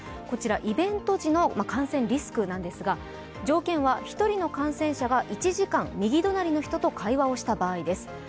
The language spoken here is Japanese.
こちらイベント時の感染リスクなんですが、条件は１人の感染者が１時間右隣の人と会話をした場合です。